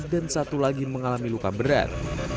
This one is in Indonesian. dan satu lagi mengalami luka berat